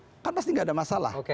ini kan pasti ada masalah